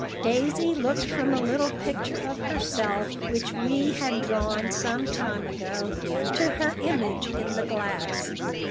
Daisy looked from a little picture of herself, which Wee had drawn some time ago, to her image in the glass.